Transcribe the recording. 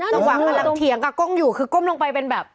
กำลังเถียงกับก้มอยู่คือก้มลงไปเป็นแบบ